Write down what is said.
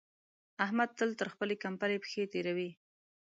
احمد تل تر خپلې کمبلې پښې تېروي.